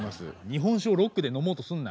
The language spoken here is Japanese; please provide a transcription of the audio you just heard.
日本酒をロックで飲もうとすんな。